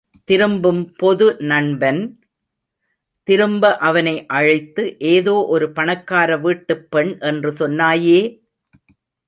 திரும்பும் பொது நண்பன் திரும்ப அவனை அழைத்து, ஏதோ ஒரு பணக்காரவீட்டுப் பெண் என்று சொன்னாயே!